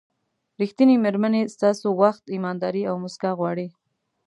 ریښتینې مېرمنې ستاسو وخت، ایمانداري او موسکا غواړي.